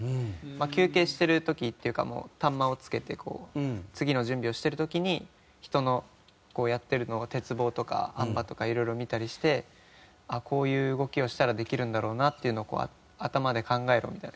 休憩してる時っていうかもうタンマをつけてこう次の準備をしてる時に人のやってるのを鉄棒とかあん馬とかいろいろ見たりしてこういう動きをしたらできるんだろうなっていうのを頭で考えろみたいな。